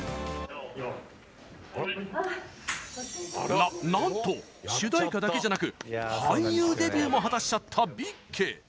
ななんと主題歌だけじゃなく俳優デビューも果たしちゃったビッケ。